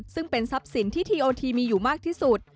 ซึ่งเป็นทรัพย์สินที่ทีโอทีมีอยู่มากที่สุด